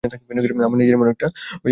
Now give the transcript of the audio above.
আমার নিজের এমন একটা ভিডিও আছে।